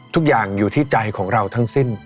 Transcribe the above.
ทุกอย่างอยู่ที่ใจของเราทั้งสิ้น